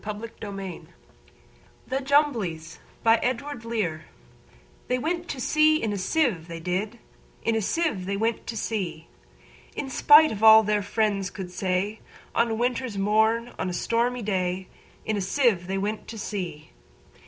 Edward Lear 1812–88 The Jumblies Lear Edw THEY went to sea in a sieve, they did; In a sieve they went to sea; In spite of all their friends could say, On a winter's morn, on a stormy day, In a sieve they went to sea.